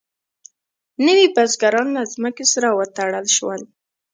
نوي بزګران له ځمکې سره وتړل شول.